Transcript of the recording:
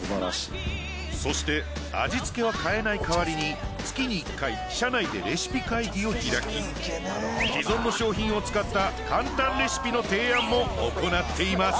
そして味付けは変えない代わりに月に１回社内でレシピ会議を開き既存の商品を使った簡単レシピの提案も行っています。